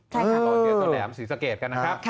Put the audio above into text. ก่อนแหลมสีสเกจกันนะครับ